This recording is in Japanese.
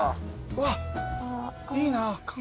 うわっいいな。